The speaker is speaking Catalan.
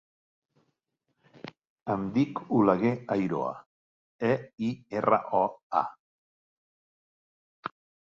Em dic Oleguer Eiroa: e, i, erra, o, a.